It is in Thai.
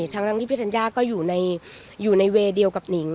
ทั้งตั้งที่พี่ทันยาก็อยู่ในอยู่ในเวย์เดียวกับนิ่ง